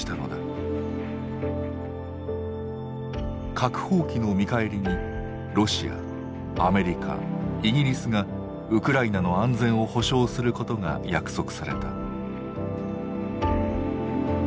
核放棄の見返りにロシアアメリカイギリスがウクライナの安全を保障することが約束された。